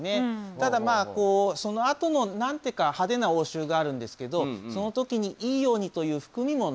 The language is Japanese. ただそのあとの何手か派手な応酬があるんですけどその時にいいようにという含みも残しています。